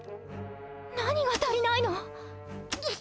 何が足りないの？